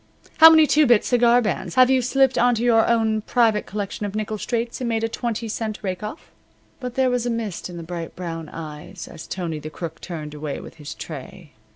H'm? How many two bit cigar bands have you slipped onto your own private collection of nickel straights and made a twenty cent rake off?" But there was a mist in the bright brown eyes as Tony the Crook turned away with his tray.